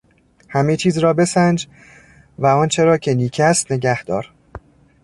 همه چیز را بسنج و آنچه را که نیک است نگهدار.